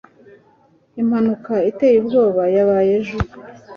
impanuka iteye ubwoba yabaye ejo